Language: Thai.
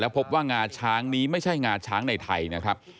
พบว่างาช้างนี้ไม่ใช่งาช้างในไทยนะครับ